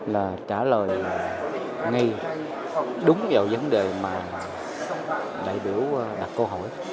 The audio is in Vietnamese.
là trả lời ngay đúng vào vấn đề mà đại biểu đặt câu hỏi